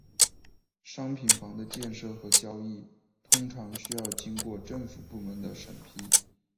商品房的建设和交易通常需要经过政府部门的审批。